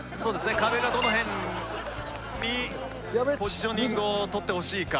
壁がどの辺にポジショニングをとってほしいか。